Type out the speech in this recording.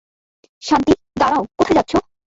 শান্তি, - দাঁড়াও, কোথায় যাচ্ছো?